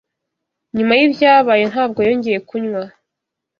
Nyuma yibyabaye, ntabwo yongeye kunywa.